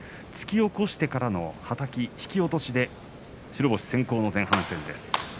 突き起こしてからの、はたき引き落としで白星先行の前半戦です。